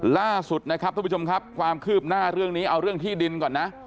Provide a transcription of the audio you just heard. ล่าสุดนะครับทุกผู้ชมครับความคืบหน้าเรื่องนี้เอาเรื่องที่ดินก่อนนะ